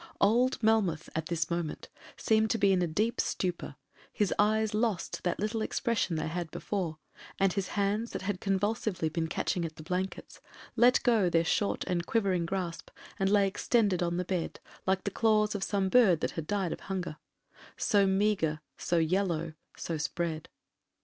Old Melmoth at this moment seemed to be in a deep stupor; his eyes lost that little expression they had before, and his hands, that had convulsively been catching at the blankets, let go their short and quivering grasp, and lay extended on the bed like the claws of some bird that had died of hunger,—so meagre, so yellow, so spread.